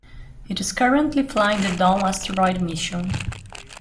It is currently flying the Dawn asteroid mission.